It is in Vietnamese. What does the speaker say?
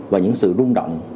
và những sự rung động